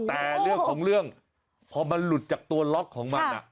แต่เรื่องของเรื่องพอมันหลุดจากตัวล็อกของมัน